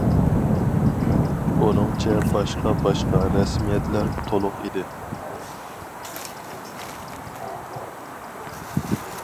ئۇنىڭچە باشقا باشقا رەسمىيەتلەر تۇلۇق ئىدى.